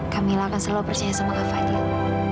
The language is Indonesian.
kak mila akan selalu percaya sama kak fadil